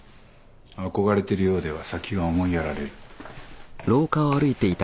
憧れてるようでは先が思いやられる。